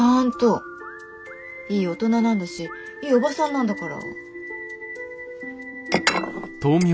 いい大人なんだしいいおばさんなんだから。